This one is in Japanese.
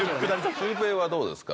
シュウペイはどうですか？